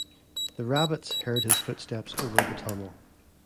The rabbits heard his footsteps over the tunnel.